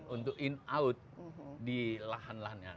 untuk in out di lahan lahannya